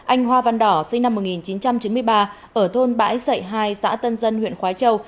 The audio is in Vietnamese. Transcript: anh hoa văn đỏ sinh năm một nghìn chín trăm chín mươi ba ở thôn bãi sậy hai xã tân dân huyện khói châu